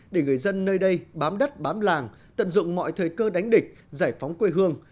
để người dân nơi đây bám đất bám làng tận dụng mọi thời cơ đánh địch giải phóng quê hương